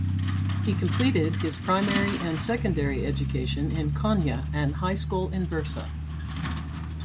He completed his primary and secondary education in Konya and high school in Bursa.